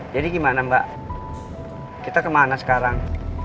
jadi gimana mbak kita kemana sekarang